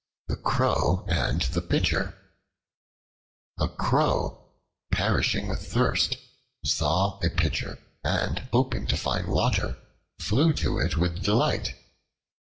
The Crow and the Pitcher A CROW perishing with thirst saw a pitcher, and hoping to find water, flew to it with delight.